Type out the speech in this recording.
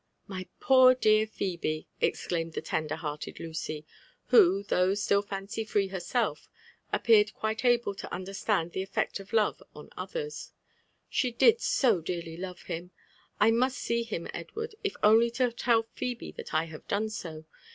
'' My poor dear Phebe !'' exclaimed the tender hearted Lucy, who, though still fancy free herself, appeared quite able to understand the effect of love on others ; "she did so dearly love him 1 — I must see him, Edward, if only to tell Phebe that^I have done so.